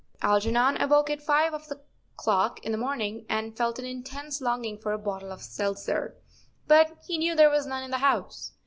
Algernon awoke at five of the clock in the morning and felt an intense longing for a bottle of seltzer, but he knew there was none in the house.